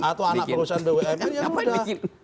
atau anak perusahaan bumn yang muda